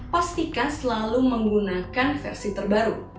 pastikan selalu menggunakan versi terbaru